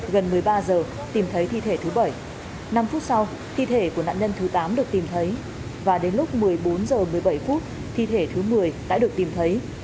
gần một mươi ba giờ tìm thấy thi thể thứ bảy năm phút sau thi thể của nạn nhân thứ tám được tìm thấy và đến lúc một mươi bốn h một mươi bảy phút thi thể thứ một mươi đã được tìm thấy